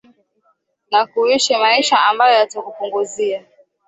na kuishi maisha ambayo yatakupunguzia